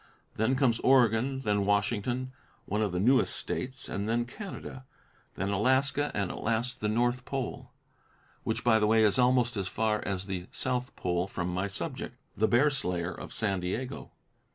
Then comes Oregon, then Washington, one of the newest States, and then Canada, then Alaska, and at last the North Pole, which, by the way, is almost as far as the South Pole from my subject: The Bear Slayer of San Diego.